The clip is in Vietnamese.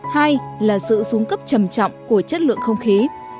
hai là sự xuống cấp trầm trọng của chất lượng không khí